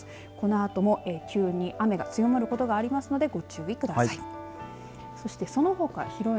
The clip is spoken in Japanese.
このあとも急に雨が強まることがありますので、ご注意ください。